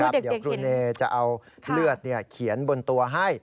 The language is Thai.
เดี๋ยวครูเนยจะเอาเลือดเขียนบนตัวให้